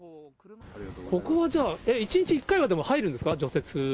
ここはじゃあ、１日１回はでも入るんですか？